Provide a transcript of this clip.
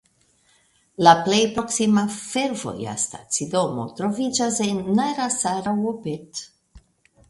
La plej proksima fervoja stacidomo troviĝas en Narasaraopet.